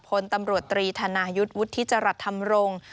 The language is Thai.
พลตำรวจตรีธานายุทธิจรัตน์ธรรมรงค์